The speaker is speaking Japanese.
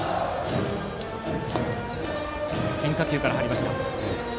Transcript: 変化球から入りました。